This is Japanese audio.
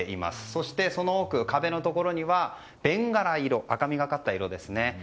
そして、その奥壁のところには赤みがかった色ですね。